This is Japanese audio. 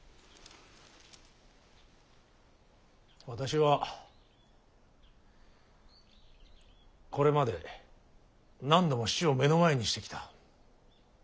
私はこれまで何度も死を目の前にしてきた。